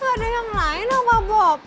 ada yang lain apa bob